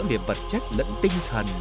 để vật chất lẫn tinh thần